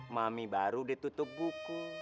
mami baru ditutup buku